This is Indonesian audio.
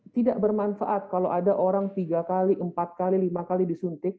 tidak bermanfaat kalau ada orang tiga kali empat kali lima kali disuntik